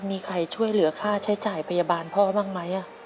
มีใครช่วยเหลือค่าใช้จ่ายพยาบาลพ่อบ้างไหม